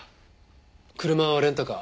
車はレンタカー。